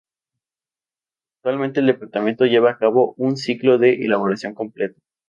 Actualmente el departamento lleva a cabo un ciclo de elaboración completo.